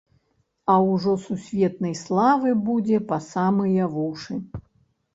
А ўжо сусветнай славы будзе па самыя вушы.